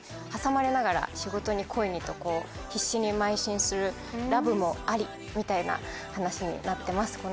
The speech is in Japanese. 挟まれながら仕事に恋にと必死にまい進するラブもありみたいな話になってます。